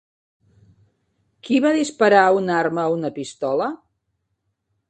Qui va disparar una arma o una pistola?